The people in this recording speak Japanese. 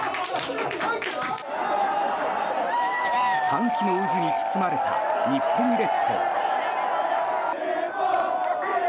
歓喜の渦に包まれた日本列島。